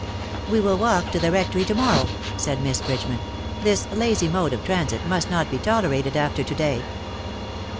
" We will walk to the Rectory to morrow," said Miss Bridgeman ;" this lazy mode of transit must not be tolerated after to day."